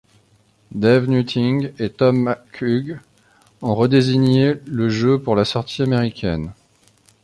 Dave Nutting et Tom McHugh ont re-désigné le jeu pour la sortie américaine.